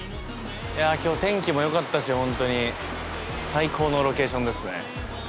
いや今日天気も良かったしホントに最高のロケーションですね。